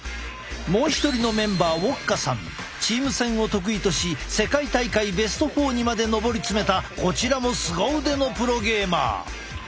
もう一人のメンバーチーム戦を得意とし世界大会ベスト４にまで上り詰めたこちらもすご腕のプロゲーマー。